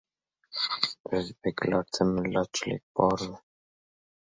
O‘zbeklarda millatchilik bormi?